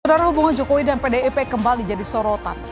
perubahan jokowi dan pdip kembali jadi sorotan